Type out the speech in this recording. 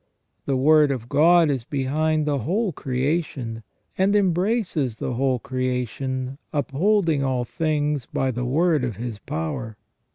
The Word of God is behind the whole creation, and embraces the whole creation, " upholding all things by the word of His power".